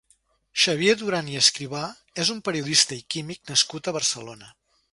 Xavier Duran i Escribà és un periodista i químic nascut a Barcelona.